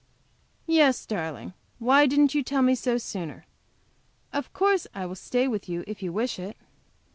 "Yes, darling; why didn't you tell me so sooner? Of course I will stay with you if you wish it."